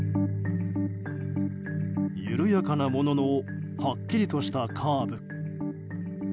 緩やかなもののはっきりとしたカーブ。